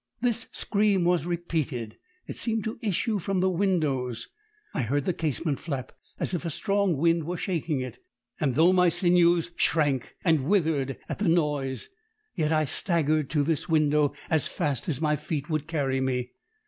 This scream was repeated it seemed to issue from the windows. I heard the casement flap, as if a strong wind were shaking it; and though my sinews shrank and withered at the noise, yet I staggered to this window as fast as my feet would carry me.